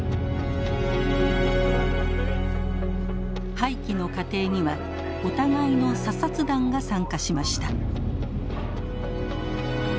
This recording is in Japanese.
廃棄の過程にはお互いの査察団が参加しました。